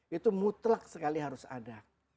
itu mutlak sekali harus ada